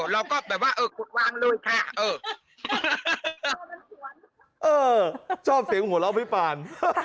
เราก็วางเลยค่ะชอบเสียงหัวเราะพี่ปาน